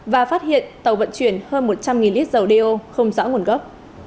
và phát hiện tàu vận chuyển hơn một trăm linh lít dầu đeo không rõ nguồn gốc